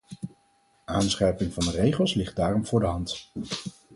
Aanscherping van de regels ligt daarom voor de hand.